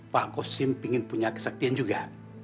pak kossim ingin punya kesaktian juga